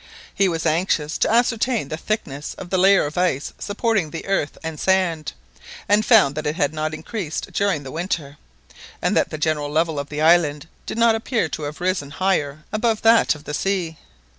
He was anxious to ascertain the thickness of the layer of ice supporting the earth and sand, and found that it had not increased during the winter, and that the general level of the island did not appear to have risen higher above that of the sea.